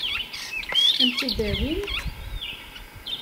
Ad m-tt-id-awin?